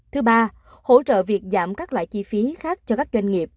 thứ ba hỗ trợ việc giảm các loại chi phí khác cho các doanh nghiệp